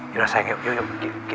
yaudah sayang yuk yuk yuk